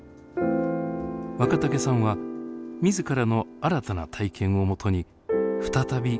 若竹さんは自らの新たな体験をもとに再び筆を執りました。